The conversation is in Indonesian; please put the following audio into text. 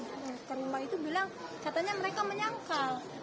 pak rumah itu bilang katanya mereka menyangkal